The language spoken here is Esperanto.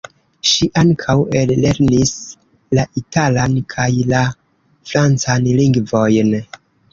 Ŝi ankaŭ ellernis la italan kaj la francan lingvojn.